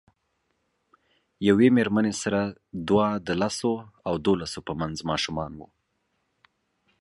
یوې میرمنې سره دوه د لسو او دولسو په منځ ماشومان وو.